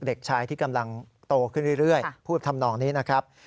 เด็กชายที่กำลังโตขึ้นเรื่อยพูดทำนองนี้นะครับ